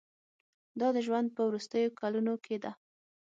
دا د ژوند په وروستیو کلونو کې ده.